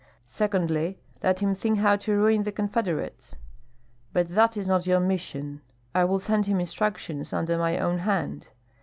Secondly, let him think how to ruin the confederates. But that is not your mission; I will send him instructions under my own hand.